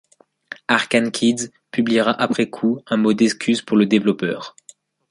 Arcane Kids publiera après coup un mot d'excuses pour le développeur.